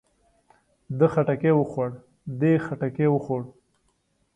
ده خټکی وخوړ. دې خټکی وخوړ.